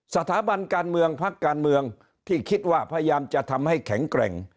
สถาบันการเมืองพักการเมืองที่คิดว่าพยายามจะทำให้แข็งแกร่ง